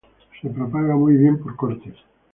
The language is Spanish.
Se propaga muy bien por cortes.